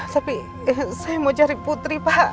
tapi saya mau cari putri pak